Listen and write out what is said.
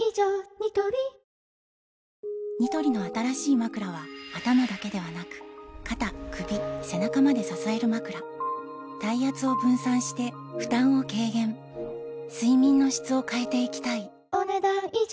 ニトリニトリの新しいまくらは頭だけではなく肩・首・背中まで支えるまくら体圧を分散して負担を軽減睡眠の質を変えていきたいお、ねだん以上。